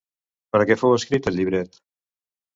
Per a què fou escrit el llibret?